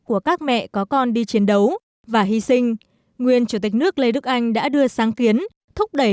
của các mẹ có con đi chiến đấu và hy sinh nguyên chủ tịch nước lê đức anh đã đưa sáng kiến thúc đẩy